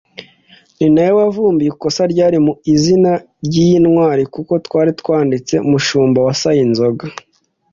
ni nawe wavumbuye ikosa ryari mu izina ry'iyi ntwari kuko twari twaranditse Mushumba wa Sayinzoga